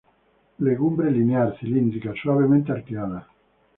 Legumbre linear, cilíndrica, suavemente arqueada.